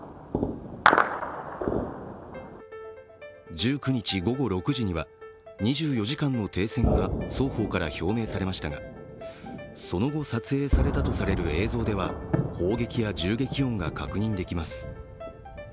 １９日午後６時には２４時間の停戦が双方から表明されましたがその後撮影されたとされる映像では砲撃や銃撃音が確認できます。